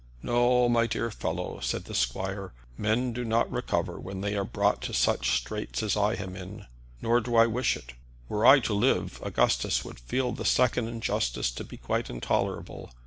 "No, my dear fellow," said the squire; "men do not recover when they are brought to such straits as I am in. Nor do I wish it. Were I to live, Augustus would feel the second injustice to be quite intolerable.